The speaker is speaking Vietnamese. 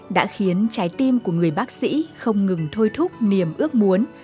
đã khiến trái tim của người bác sĩ không ngừng thôi thúc niềm ước muốn